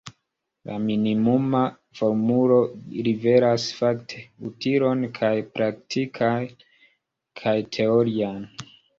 La minimuma formulo liveras, fakte, utilon kaj praktikan kaj teorian.